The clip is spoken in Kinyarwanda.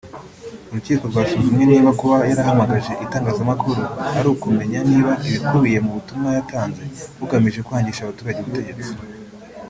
urukiko rwasuzumye niba kuba yarahamagaje itangazamakuru ari ukumenya niba ibikubiye mu butumwa yatanze bugamije kwangisha abaturage ubutegetsi